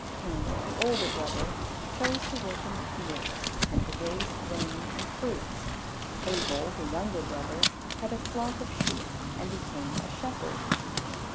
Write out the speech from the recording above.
Cain, the older brother, chose to work in the fields, and to raise grain and fruits. Abel, the younger brother, had a flock of sheep and became a shepherd.